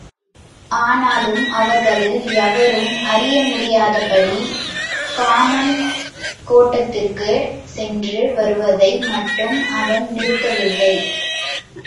ஆனாலும் அவர்களில் எவரும் அறியமுடியாதபடி காமன் கோட்டத்திற்குச் சென்று வருவதை மட்டும் அவன் நிறுத்த வில்லை.